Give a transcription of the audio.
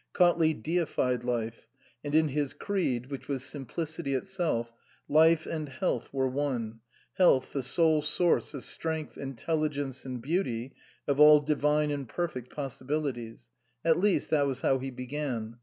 Cautley deified life ; and in his creed, which was simplicity itself, life and health were one ; health the sole source of strength, intelligence and beauty, of all divine and perfect possibilities. At least that was how he began.